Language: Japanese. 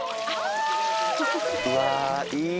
うわいい。